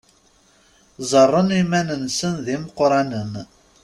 Ẓẓaren iman-nsen d imeqqranen.